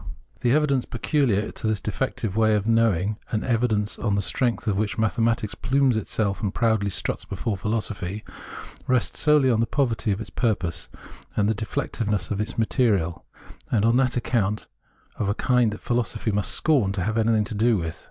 The evidence peculiar to this defective way of knowing — an evidence on the strength of which mathematics plumes itself and proudly struts before philosophy — rests solely on the poverty of its purpose and the de fectiveness of its material, and is on that account of a kind that philosophy must scorn to have anything to do with.